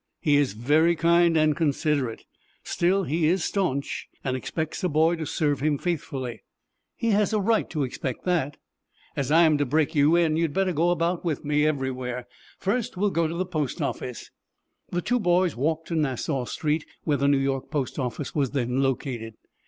"He is very kind and considerate. Still he is stanch, and expects a boy to serve him faithfully." "He has a right to expect that." "As I am to break you in, you had better go about with me everywhere. First, we will go to the post office." The two boys walked to Nassau Street, where the New York post office was then located.